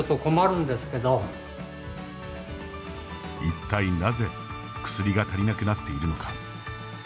一体、なぜ薬が足りなくなっているのか。